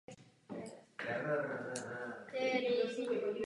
Po její smrti se Oberon velice dlouho neoženil.